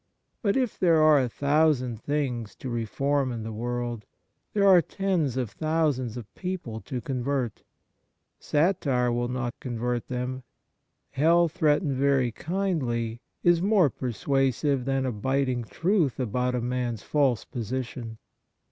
But if there are a thousand things to reform in the w orld, there are tens of thousands of people to convert. Satire will not convert men. Hell threatened very kindly is more persuasive than a biting truth about a man's false position.